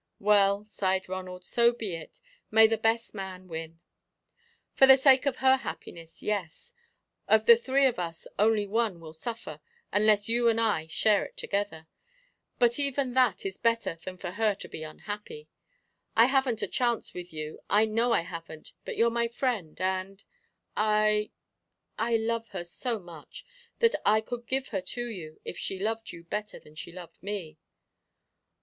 "Well," sighed Ronald, "so be it. May the best man win!" "For the sake of her happiness, yes. Of the three of us, only one will suffer, unless you and I share it together; but even that is better than for her to be unhappy. I haven't a chance with you I know I haven't; but you're my friend and I I love her so much, that I could give her to you, if she loved you better than she loved me."